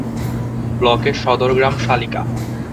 ব্লকের সদর গ্রাম সালিকা।